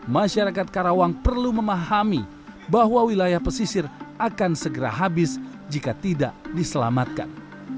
masyarakat karawang perlu memahami bahwa wilayah pesisir akan segera habis jika tidak diselamatkan